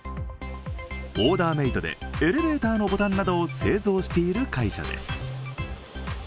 オーダーメードでエレベーターのボタンなどを製造している会社です。